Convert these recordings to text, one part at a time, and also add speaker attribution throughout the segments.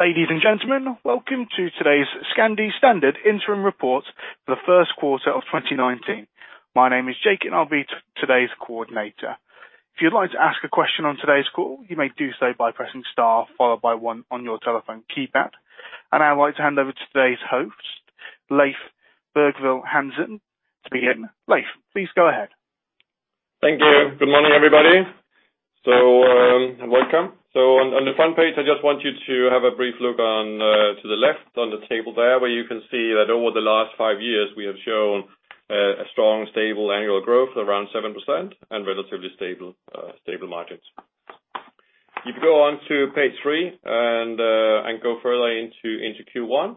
Speaker 1: Ladies and gentlemen, welcome to today's Scandi Standard Interim Report for the first quarter of 2019. My name is Jake, and I'll be today's coordinator. If you'd like to ask a question on today's call, you may do so by pressing star followed by one on your telephone keypad. I'd like to hand over to today's host, Leif Bergvall Hansen, to begin. Leif, please go ahead.
Speaker 2: Thank you. Good morning, everybody. Welcome. On the front page, I just want you to have a brief look to the left on the table there, where you can see that over the last five years, we have shown a strong, stable annual growth around 7% and relatively stable margins. If you go on to page three and go further into Q1,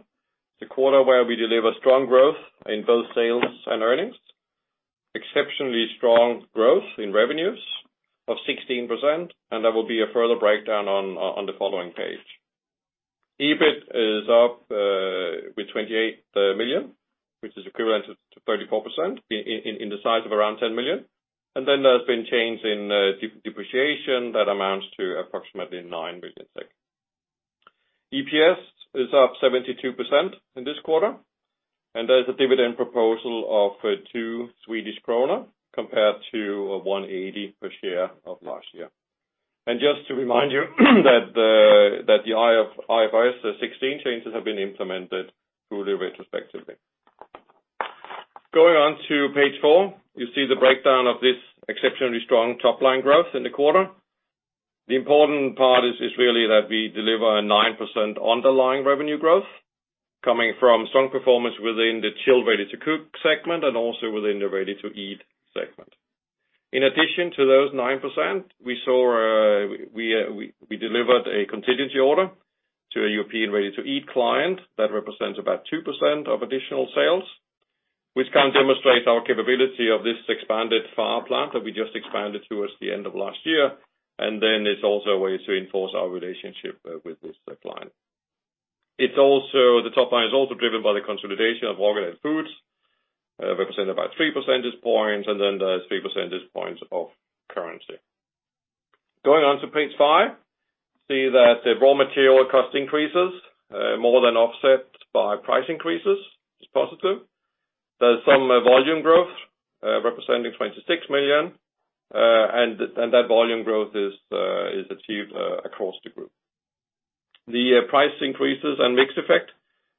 Speaker 2: the quarter where we deliver strong growth in both sales and earnings, exceptionally strong growth in revenues of 16%, and there will be a further breakdown on the following page. EBIT is up with 28 million, which is equivalent to 34% in the size of around 10 million. There's been change in depreciation that amounts to approximately nine million SEK. EPS is up 72% in this quarter, and there's a dividend proposal of two SEK compared to 180 per share of last year. Just to remind you that the IFRS 16 changes have been implemented fully retrospectively. Going on to page four, you see the breakdown of this exceptionally strong top-line growth in the quarter. The important part is really that we deliver a 9% underlying revenue growth coming from strong performance within the Chilled Ready-to-cook segment and also within the Ready-to-eat segment. In addition to those 9%, we delivered a contingency order to a European Ready-to-eat client that represents about 2% of additional sales, which can demonstrate our capability of this expanded Farre plant that we just expanded towards the end of last year. It's also a way to enforce our relationship with this client. The top line is also driven by the consolidation of Rokkedahl Food, represented by three percentage points, and there's three percentage points of currency. Going on to page five, see that the raw material cost increases, more than offset by price increases. It's positive. There's some volume growth, representing 26 million, and that volume growth is achieved across the group. The price increases and mix effect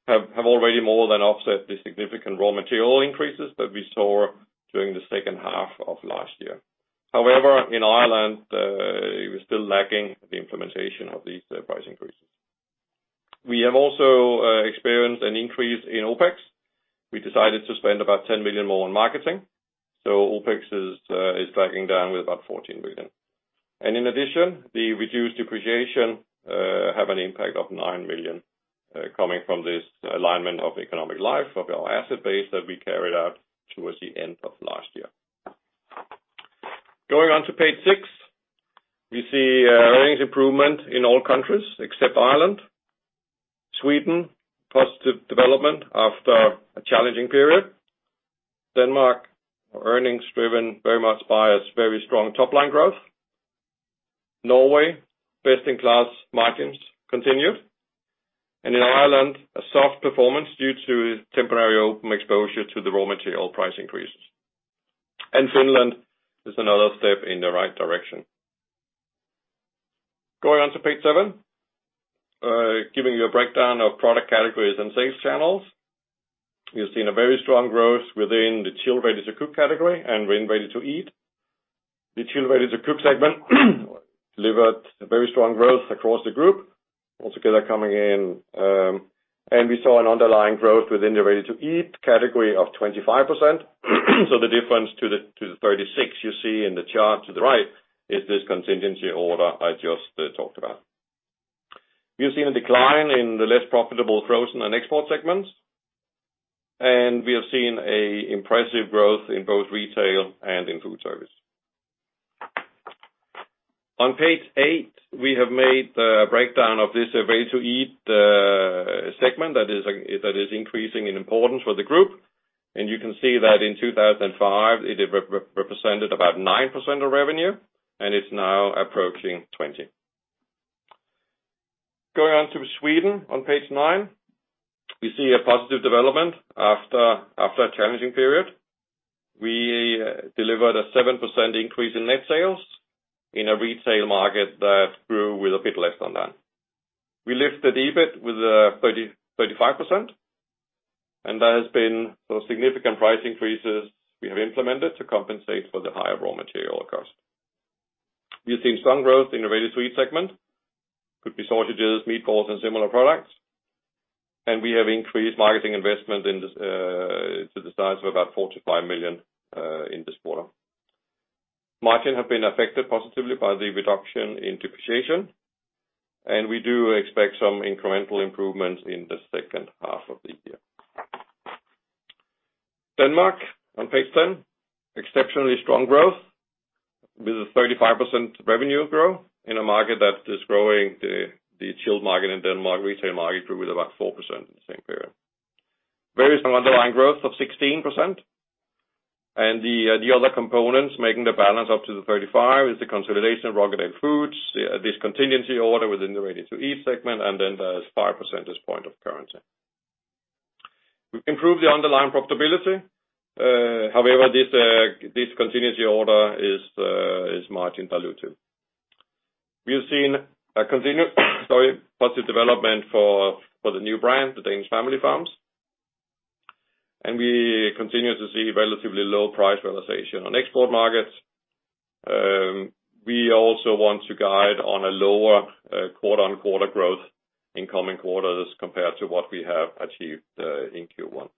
Speaker 2: have already more than offset the significant raw material increases that we saw during the second half of last year. However, in Ireland, we're still lacking the implementation of these price increases. We have also experienced an increase in OPEX. We decided to spend about 10 million more on marketing, OPEX is dragging down with about 14 million. In addition, the reduced depreciation have an impact of nine million SEK coming from this alignment of economic life of our asset base that we carried out towards the end of last year. Going on to page six, we see earnings improvement in all countries except Ireland. Sweden, positive development after a challenging period. Denmark, earnings driven very much by its very strong top-line growth. Norway, best-in-class margins continued. In Ireland, a soft performance due to temporary open exposure to the raw material price increases. Finland is another step in the right direction. Going on to page seven, giving you a breakdown of product categories and sales channels. You are seeing a very strong growth within the Chilled Ready-to-cook category and within Ready-to-eat. The Chilled Ready-to-cook segment delivered a very strong growth across the group, altogether coming in. We saw an underlying growth within the Ready-to-eat category of 25%. The difference to the 36 you see in the chart to the right is this contingency order I just talked about. We have seen a decline in the less profitable frozen and export segments, and we have seen an impressive growth in both retail and in food service. On page eight, we have made a breakdown of this Ready-to-eat segment that is increasing in importance for the group. You can see that in 2005, it represented about 9% of revenue, and it is now approaching 20. Going on to Sweden on page nine, we see a positive development after a challenging period. We delivered a 7% increase in net sales in a retail market that grew with a bit less than that. We lifted EBIT with 35%, and there has been some significant price increases we have implemented to compensate for the higher raw material cost. We have seen strong growth in the Ready-to-eat segment. Could be sausages, meatballs, and similar products. We have increased marketing investment to the size of about 45 million in this quarter. Margins have been affected positively by the reduction in depreciation, and we do expect some incremental improvements in the second half of the year. Denmark, on page 10, exceptionally strong growth with a 35% revenue growth in a market that is growing. The chilled market in Denmark retail market grew with about 4% in the same period. Very strong underlying growth of 16%. The other components making the balance up to the 35 are the consolidation of Rokkedahl Food, this contingency order within the Ready-to-eat segment, and then there is 5% as point of currency. We have improved the underlying profitability. However, this contingency order is margin dilutive. We have seen a continuous, positive development for the new brand, The Danish Family Farms. We continue to see relatively low price realization on export markets. We also want to guide on a lower quarter-on-quarter growth in coming quarters compared to what we have achieved in Q1.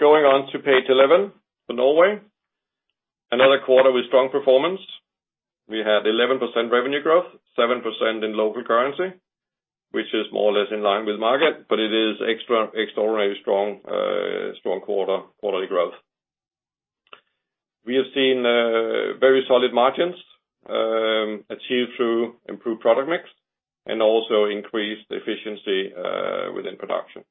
Speaker 2: Going on to page 11, for Norway. Another quarter with strong performance. We had 11% revenue growth, 7% in local currency, which is more or less in line with market, but it is extraordinarily strong quarterly growth. We have seen very solid margins, achieved through improved product mix and also increased efficiency within production.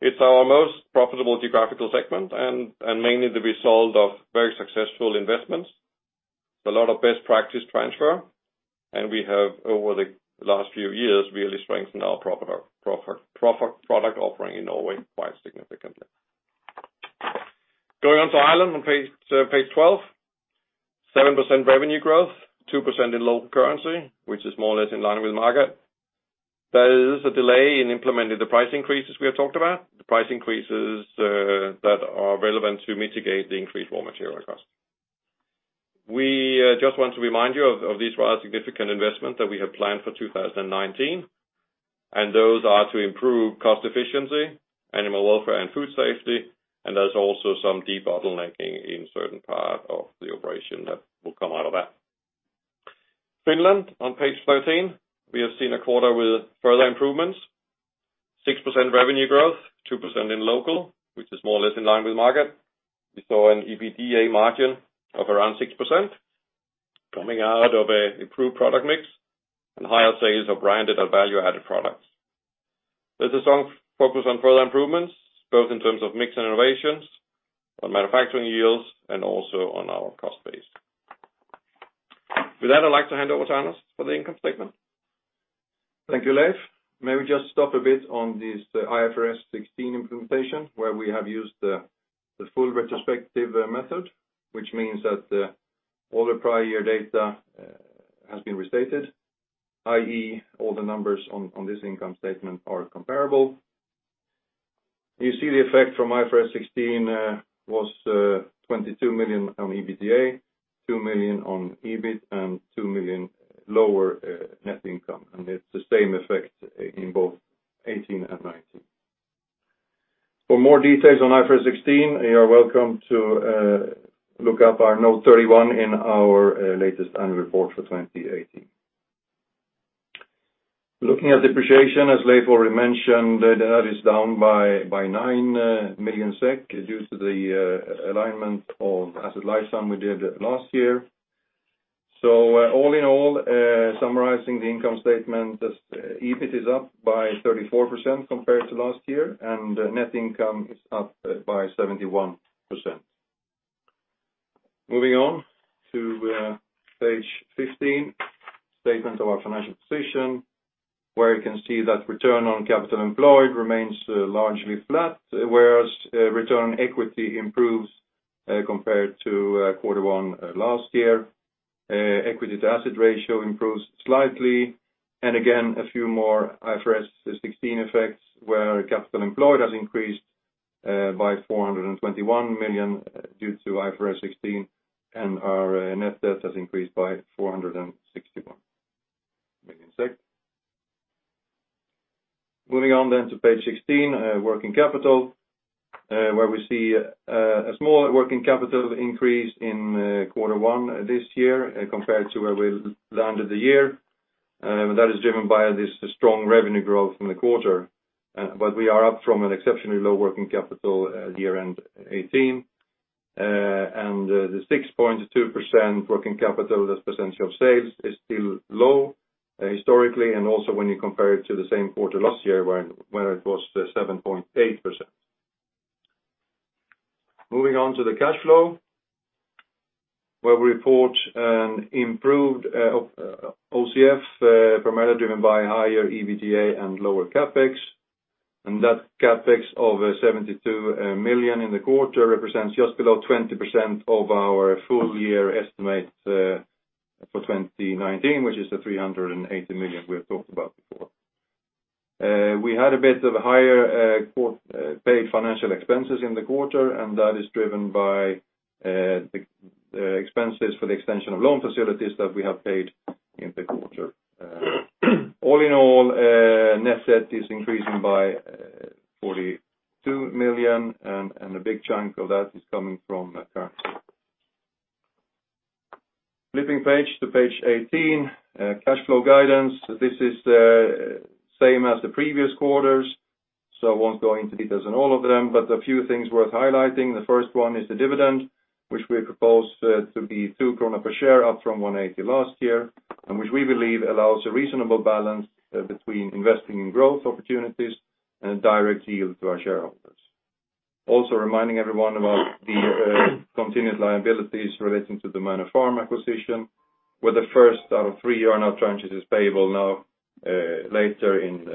Speaker 2: It is our most profitable geographical segment and mainly the result of very successful investments. A lot of best practice transfer, and we have, over the last few years, really strengthened our product offering in Norway quite significantly. Going on to Ireland on page 12. 7% revenue growth, 2% in local currency, which is more or less in line with the market. There is a delay in implementing the price increases we have talked about, the price increases that are relevant to mitigate the increased raw material costs. We just want to remind you of these rather significant investments that we have planned for 2019. Those are to improve cost efficiency, animal welfare, and food safety. There's also some debottlenecking in certain parts of the operation that will come out of that. Finland on page 13. We have seen a quarter with further improvements. 6% revenue growth, 2% in local, which is more or less in line with the market. We saw an EBITDA margin of around 6% coming out of an improved product mix and higher sales of branded and value-added products. There's a strong focus on further improvements, both in terms of mix and innovations, on manufacturing yields, also on our cost base. With that, I'd like to hand over to Anders for the income statement.
Speaker 3: Thank you, Leif. May we just stop a bit on this IFRS 16 implementation, where we have used the full retrospective method, which means that all the prior year data has been restated, i.e., all the numbers on this income statement are comparable. You see the effect from IFRS 16 was 22 million on EBITDA, 2 million on EBIT, and 2 million lower net income. It's the same effect in both 2018 and 2019. For more details on IFRS 16, you are welcome to look up our Note 31 in our latest annual report for 2018. Looking at depreciation, as Leif already mentioned, that is down by 9 million SEK due to the alignment of asset lifetime we did last year. All in all, summarizing the income statement, just EBIT is up by 34% compared to last year. Net income is up by 71%. Moving on to page 15, statement of our financial position, where you can see that return on capital employed remains largely flat, whereas return on equity improves compared to quarter one last year. Equity to asset ratio improves slightly. Again, a few more IFRS 16 effects where capital employed has increased by 421 million due to IFRS 16 and our net debt has increased by 461 million. Moving on then to page 16, working capital, where we see a small working capital increase in quarter one this year compared to where we landed the year. That is driven by this strong revenue growth in the quarter. We are up from an exceptionally low working capital at year-end 2018. The 6.2% working capital as a percentage of sales is still low historically, and also when you compare it to the same quarter last year where it was 7.8%. Moving on to the cash flow, where we report an improved OCF, primarily driven by higher EBITDA and lower CapEx. That CapEx of 72 million in the quarter represents just below 20% of our full year estimate for 2019, which is the 380 million we have talked about before. We had a bit of higher paid financial expenses in the quarter, and that is driven by the expenses for the extension of loan facilities that we have paid in the quarter. All in all, net debt is increasing by 42 million, and a big chunk of that is coming from cash. Flipping page to page 18, cash flow guidance. This is the same as the previous quarters, I won't go into details on all of them, but a few things worth highlighting. The first one is the dividend, which we propose to be 2 krona per share up from 1.80 last year, and which we believe allows a reasonable balance between investing in growth opportunities and a direct yield to our shareholders. Also reminding everyone about the continued liabilities relating to the Manor Farm acquisition, where the first out of three earnout tranches is payable now, later in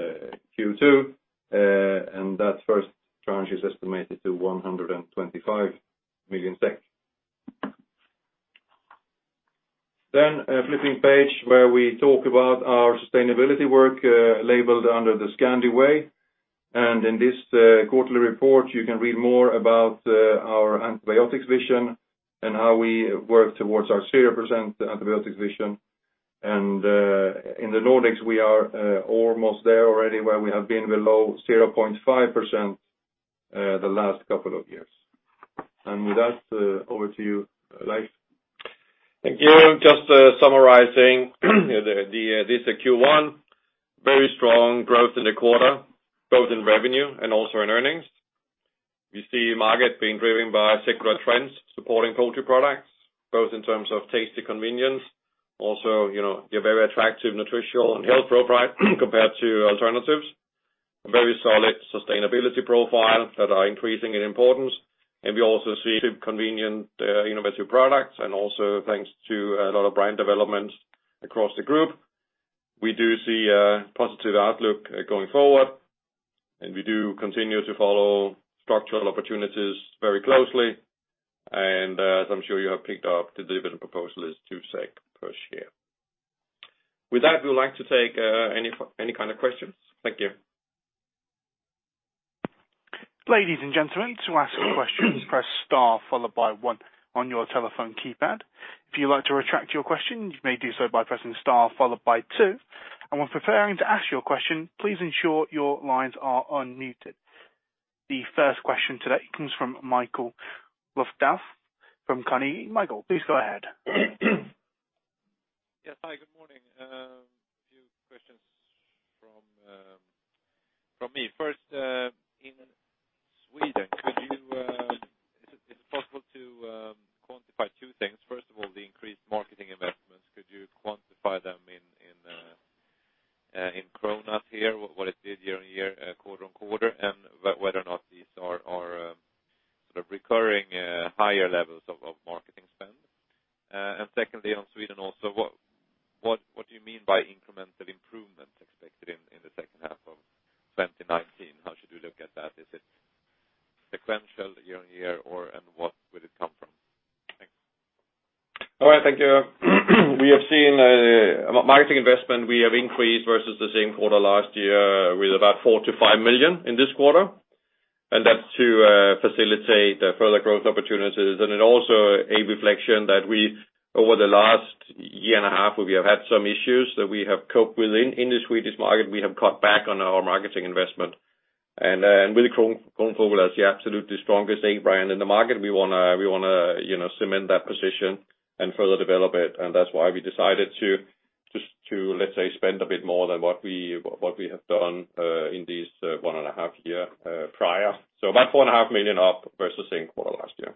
Speaker 3: Q2. That first tranche is estimated to 125 million SEK. Flipping page, where we talk about our sustainability work labeled under The Scandi Way. In this quarterly report, you can read more about our antibiotics vision and how we work towards our 0% antibiotics vision. In the Nordics, we are almost there already, where we have been below 0.5% the last couple of years. With that, over to you, Leif.
Speaker 2: Thank you. Just summarizing this Q1, very strong growth in the quarter, both in revenue and also in earnings. We see market being driven by secular trends, supporting poultry products, both in terms of taste and convenience, also, a very attractive nutritional and health profile compared to alternatives. A very solid sustainability profile that are increasing in importance. We also see convenient innovative products and also thanks to a lot of brand developments across the group. We do see a positive outlook going forward, we do continue to follow structural opportunities very closely. As I'm sure you have picked up, the dividend proposal is 2 SEK per share. With that, we would like to take any kind of questions. Thank you.
Speaker 1: Ladies and gentlemen, to ask a question, press star followed by one on your telephone keypad. If you'd like to retract your question, you may do so by pressing star followed by two. When preparing to ask your question, please ensure your lines are unmuted. The first question today comes from Mikael Löfdahl from Carnegie. Mikael, please go ahead.
Speaker 4: Yes. Hi, good morning. A few questions from me. First, in Sweden, is it possible to quantify two things? First of all, the increased marketing investments, could you quantify them in SEK here, what it did year-over-year, quarter-over-quarter, and whether or not these are sort of recurring higher levels of marketing spend? Secondly, on Sweden also, what do you mean by incremental improvements expected in the second half of 2019? How should we look at that? Is it sequential, year-over-year, and what would it come from? Thanks.
Speaker 2: All right. Thank you. We have seen marketing investment, we have increased versus the same quarter last year with about 4 million-5 million in this quarter, that's to facilitate further growth opportunities. It is also a reflection that we, over the last year and a half, where we have had some issues that we have coped with in the Swedish market. We have cut back on our marketing investment. With Kronfågel as the absolutely strongest chicken brand in the market, we want to cement that position and further develop it. That's why we decided to, let's say, spend a bit more than what we have done in this one and a half year prior. So about four and a half million up versus same quarter last year.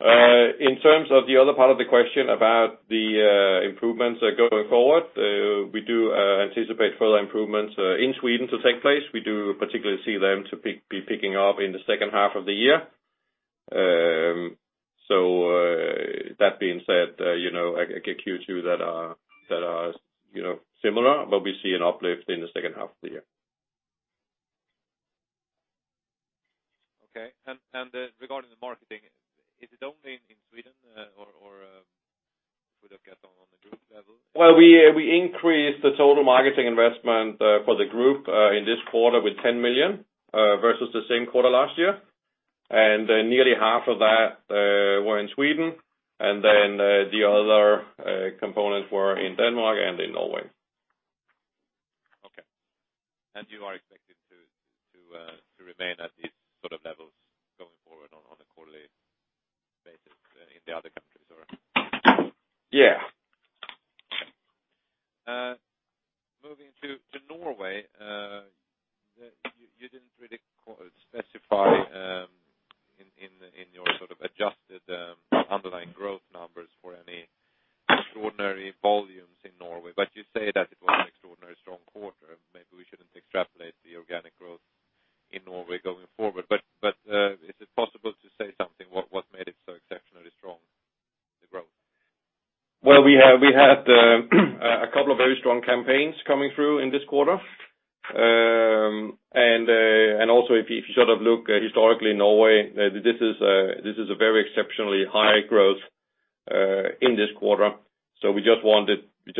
Speaker 2: In terms of the other part of the question about the improvements going forward, we do anticipate further improvements in Sweden to take place. We do particularly see them to be picking up in the second half of the year. That being said, I get Q2 that are similar, but we see an uplift in the second half of the year.
Speaker 4: Okay. Regarding the marketing, is it only in Sweden or should it get on a group level?
Speaker 2: Well, we increased the total marketing investment for the group in this quarter with 10 million, versus the same quarter last year. Nearly half of that were in Sweden, then the other components were in Denmark and in Norway.
Speaker 4: Okay. You are expecting to remain at these sort of levels going forward on a quarterly basis in the other countries, correct?
Speaker 2: Yeah.
Speaker 4: Moving to Norway, you didn't really specify in your sort of adjusted underlying growth numbers for any extraordinary volumes in Norway, you say that it was an extraordinarily strong quarter. Maybe we shouldn't extrapolate the organic growth in Norway going forward. Is it possible to say something, what made it so exceptionally strong, the growth?
Speaker 2: Well, we had a couple of very strong campaigns coming through in this quarter. Also, if you sort of look historically Norway, this is a very exceptionally high growth in this quarter. We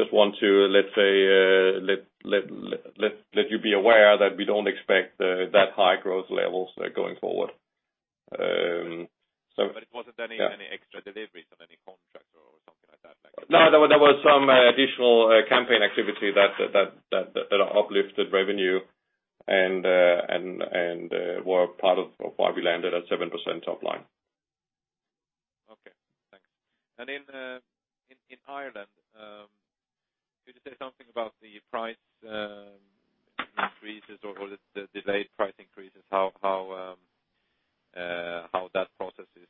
Speaker 2: just want to, let's say, let you be aware that we don't expect that high growth levels going forward.
Speaker 4: It wasn't any extra deliveries on any contracts or something like that?
Speaker 2: No, there was some additional campaign activity that uplifted revenue and were part of why we landed at 7% top line.
Speaker 4: Okay, thanks. In Ireland. Could you say something about the price increases or the delayed price increases, how that process is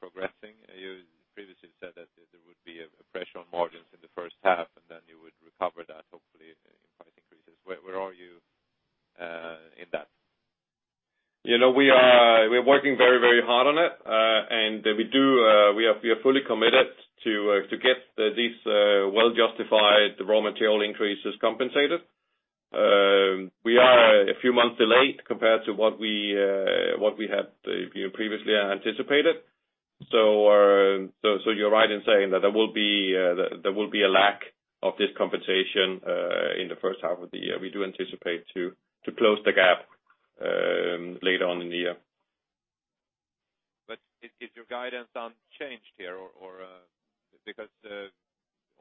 Speaker 4: progressing? You previously said that there would be a pressure on margins in the first half, and then you would recover that hopefully in price increases. Where are you in that?
Speaker 2: We are working very hard on it, we are fully committed to get these well-justified raw material increases compensated. We are a few months delayed compared to what we had previously anticipated. You're right in saying that there will be a lack of this compensation in the first half of the year. We do anticipate to close the gap later on in the year.
Speaker 4: Is your guidance unchanged here? Because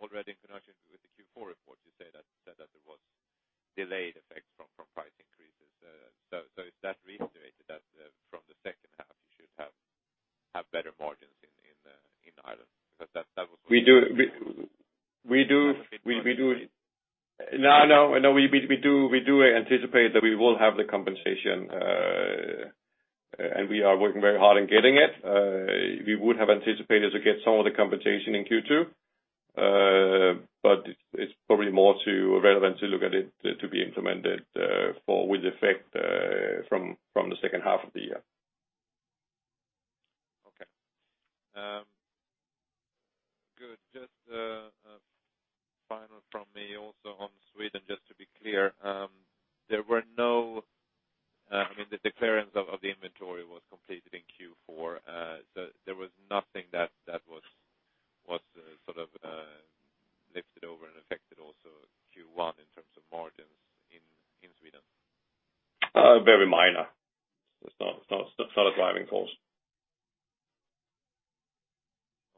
Speaker 4: already in connection with the Q4 report, you said that there was delayed effects from price increases. Is that reiterated that from the second half you should have better margins in Ireland?
Speaker 2: We do. No, we do anticipate that we will have the compensation, we are working very hard on getting it. We would have anticipated to get some of the compensation in Q2. It's probably more relevant to look at it to be implemented with effect from the second half of the year.
Speaker 4: Okay. Good. Just final from me also on Sweden, just to be clear, the clearance of the inventory was completed in Q4. There was nothing that was sort of lifted over and affected also Q1 in terms of margins in Sweden?
Speaker 2: Very minor. It is not a driving force.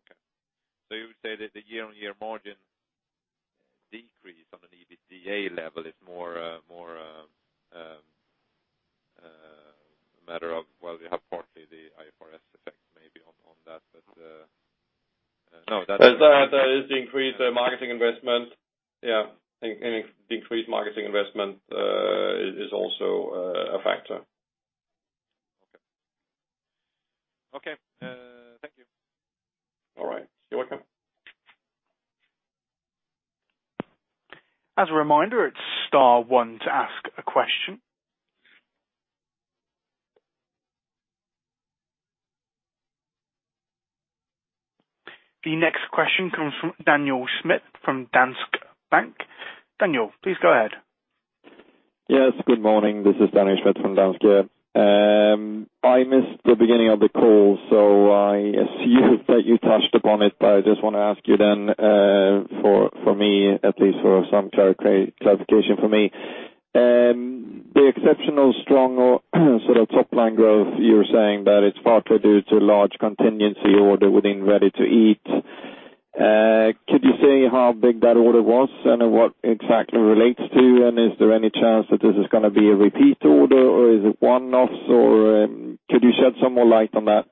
Speaker 4: Okay. You would say that the year-on-year margin decrease on an EBITDA level is more a matter of, well, you have partly the IFRS effect maybe on that.
Speaker 2: No, that is the increased marketing investment. Yeah. Increased marketing investment is also a factor.
Speaker 4: Okay. Thank you.
Speaker 2: All right. You're welcome.
Speaker 1: As a reminder, it's star one to ask a question. The next question comes from Daniel Schmidt from Danske Bank. Daniel, please go ahead.
Speaker 5: Yes, good morning. This is Daniel Schmidt from Danske. I missed the beginning of the call, so I assume that you touched upon it, but I just want to ask you then, for me at least, for some clarification for me. The exceptional strong sort of top-line growth, you're saying that it's partly due to large contingency order within Ready-to-eat. Could you say how big that order was and what exactly relates to? Is there any chance that this is going to be a repeat order or is it one-offs? Could you shed some more light on that?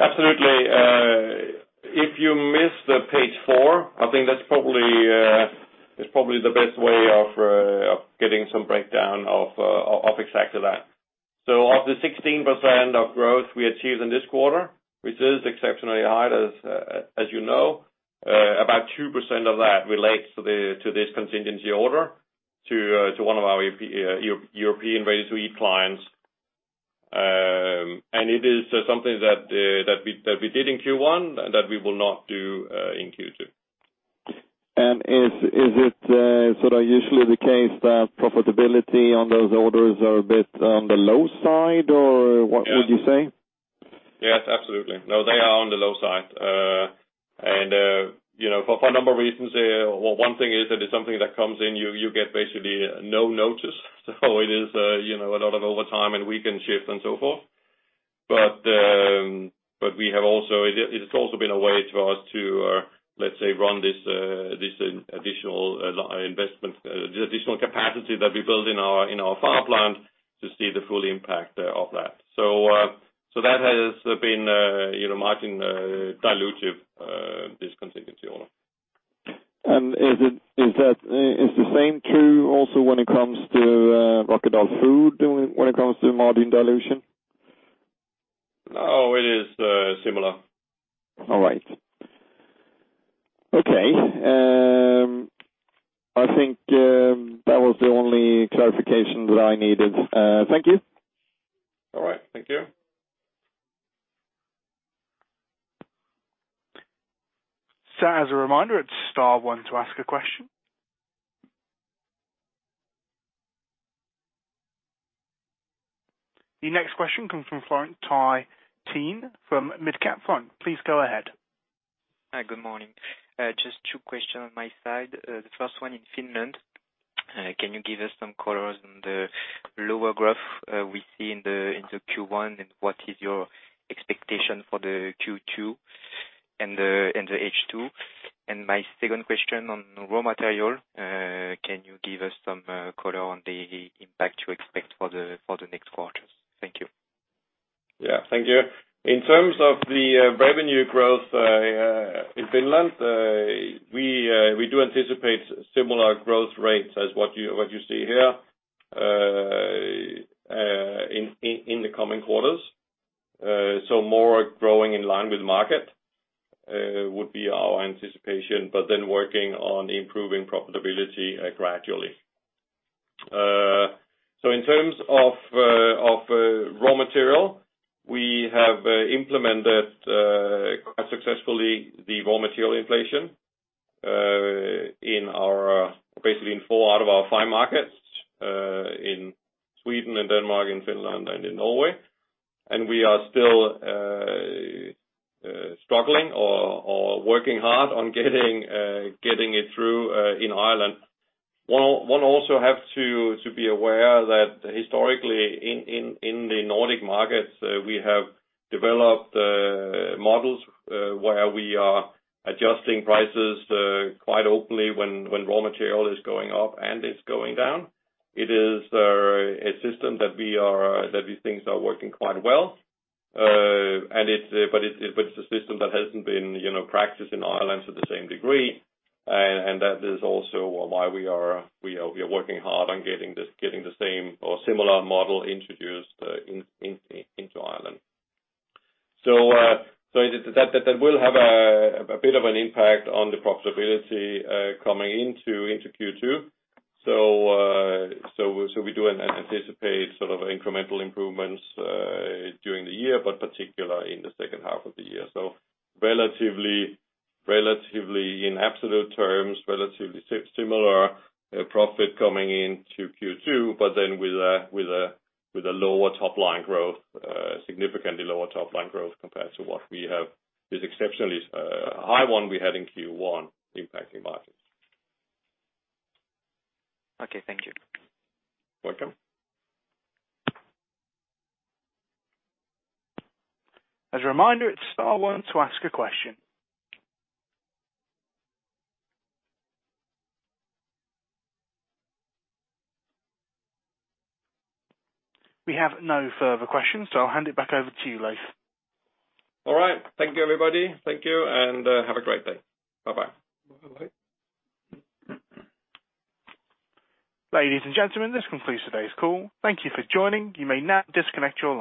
Speaker 2: Absolutely. If you missed page four, I think that's probably the best way of getting some breakdown of exactly that. Of the 16% of growth we achieved in this quarter, which is exceptionally high as you know, about 2% of that relates to this contingency order to one of our European Ready-to-eat clients. It is something that we did in Q1 that we will not do in Q2.
Speaker 5: Is it usually the case that profitability on those orders are a bit on the low side, or what would you say?
Speaker 2: Yes, absolutely. No, they are on the low side. For a number of reasons, one thing is that it's something that comes in, you get basically no notice. It is a lot of overtime and weekend shifts and so forth. It's also been a way for us to, let's say, run this additional capacity that we build in our Farre plant to see the full impact of that. That has been margin dilutive, this contingency order.
Speaker 5: Is the same true also when it comes to Rokkedahl Food when it comes to margin dilution?
Speaker 2: It is similar.
Speaker 5: All right. Okay. I think that was the only clarification that I needed. Thank you.
Speaker 2: All right. Thank you.
Speaker 1: As a reminder, it's star one to ask a question. The next question comes from Florent Taine from Midcap Partners. Please go ahead.
Speaker 6: Hi, good morning. Just two questions on my side. The first one in Finland. Can you give us some colors on the lower growth we see in the Q1, and what is your expectation for the Q2 and the H2? My second question on raw material, can you give us some color on the impact you expect for the next quarters? Thank you.
Speaker 2: Yeah. Thank you. In terms of the revenue growth in Finland, we do anticipate similar growth rates as what you see here in the coming quarters. More growing in line with the market would be our anticipation, working on improving profitability gradually. In terms of raw material, we have implemented quite successfully the raw material inflation basically in four out of our five markets, in Sweden and Denmark, in Finland and in Norway. We are still struggling or working hard on getting it through in Ireland. One also have to be aware that historically in the Nordic markets, we have developed models where we are adjusting prices quite openly when raw material is going up and it's going down. It is a system that we think are working quite well. It's a system that hasn't been practiced in Ireland to the same degree, that is also why we are working hard on getting the same or similar model introduced into Ireland. That will have a bit of an impact on the profitability coming into Q2. We do anticipate incremental improvements during the year, particular in the second half of the year. In absolute terms, relatively similar profit coming into Q2, with a significantly lower top-line growth compared to what we have, this exceptionally high one we had in Q1 impacting margins.
Speaker 6: Okay. Thank you.
Speaker 2: Welcome.
Speaker 1: As a reminder, it's star one to ask a question. We have no further questions, I'll hand it back over to you, Leif.
Speaker 2: All right. Thank you, everybody. Thank you, and have a great day. Bye-bye.
Speaker 6: Bye.
Speaker 1: Ladies and gentlemen, this concludes today's call. Thank you for joining. You may now disconnect your line.